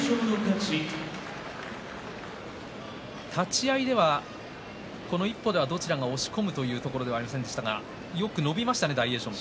立ち合いでは、この一歩ではどちらが押し込むというところではありませんでしたが、よく伸びましたね